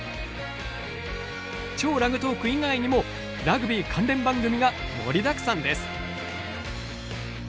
超ラグトーク以外にもラグビー関連番組が盛りだくさんです。